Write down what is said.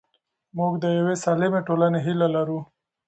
موږ د یوې سالمې ټولنې هیله لرو.